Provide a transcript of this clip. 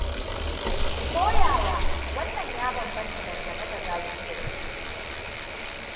Koyaya, wannan ya bambanta dangane da zafi da zazzabi.